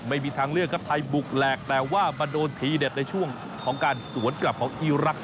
ไม่มีทางเลือกครับไทยบุกแหลกแต่ว่ามาโดนทีเด็ดในช่วงของการสวนกลับของอีรักษ